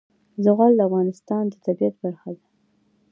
زغال د افغانستان د طبیعت برخه ده.